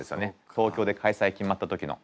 東京で開催決まった時の。